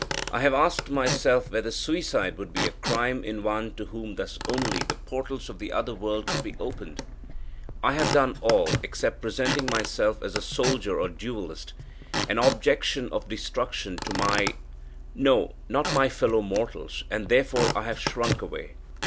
I have asked myself, whether suicide would be a crime in one to whom thus only the portals of the other world could be opened. I have done all, except presenting myself as a soldier or duelist, an objection of destruction to my no, not my fellow mortals, and therefore I have shrunk away.